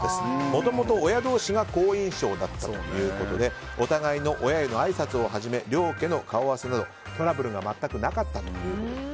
もともと親同士が好印象だったということでお互いの親へのあいさつをはじめ両家の顔合わせなどトラブルが全くなかったということです。